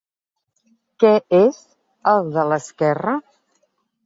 Què és el de l'esquerra?